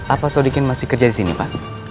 apa sodikin masih kerja di sini pak